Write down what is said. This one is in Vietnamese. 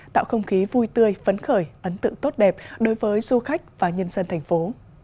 tạo không khí vui tươi phấn khởi ấn tượng tốt đẹp đối với du khách và nhân dân thành phố